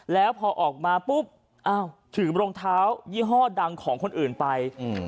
แล้วพอออกมาปุ๊บอ้าวถือรองเท้ายี่ห้อดังของคนอื่นไป